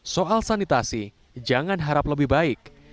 soal sanitasi jangan harap lebih baik